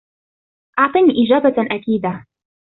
أعطني إجابةً أكيدةً.